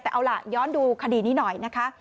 แต่เอาล่ะย้อนดูคดีนี้หน่อยนะคะ